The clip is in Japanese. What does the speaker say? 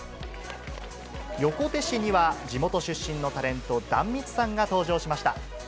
横手市には、地元出身のタレント、壇蜜さんが登場しました。